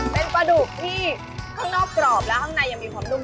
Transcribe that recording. เป็นปลาดุกที่ข้างนอกกรอบแล้วข้างในยังมีความนุ่ม